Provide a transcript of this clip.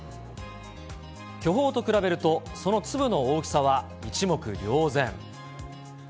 巨峰と比べると、その粒の大きさは一目瞭然。